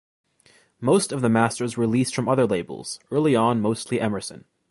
Most of the masters were leased from other labels, early on mostly Emerson.